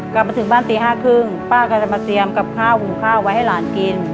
กลับมาถึงบ้านตี๕๓๐ป้าก็จะมาเตรียมกับข้าวหุงข้าวไว้ให้หลานกิน